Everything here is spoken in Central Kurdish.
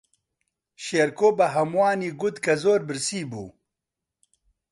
شێرکۆ بە ھەمووانی گوت کە زۆر برسی بوو.